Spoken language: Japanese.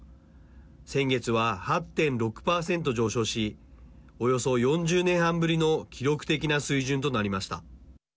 先月は８．６％上昇しおよそ４０年半ぶりの記録的な水準となりました。